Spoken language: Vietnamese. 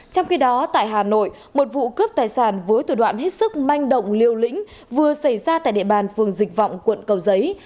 trong khi đó tại hà nội một vụ cướp tài sản với thủ đoạn hết sức manh động liều lĩnh vừa xảy ra tại địa bàn phường dịch vọng quận cầu giấy